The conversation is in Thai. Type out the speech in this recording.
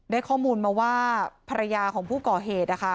ได้ข้อมูลมาว่าภรรยาของผู้ก่อเหตุนะคะ